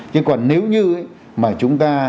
chứ còn nếu như mà chúng ta